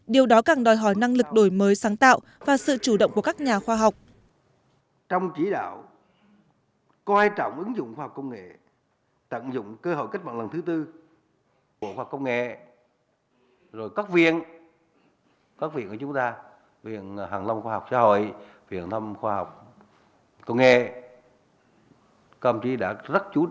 điều đó càng đòi hỏi năng lực đổi mới sáng tạo và sự chủ động của các nhà khoa học